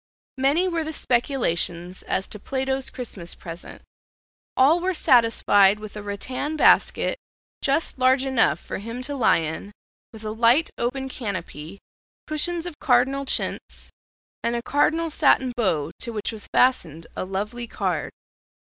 Many were the speculations as to Plato's Christmas present. All were satisfied with a rattan basket just large enough for him to lie in, with a light open canopy, cushions of cardinal chintz, and a cardinal satin bow to which was fastened a lovely card.